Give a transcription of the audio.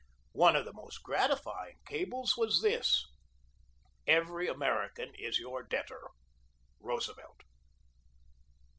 One of the most gratifying cables was this: "Every American is your debtor. Roosevelt."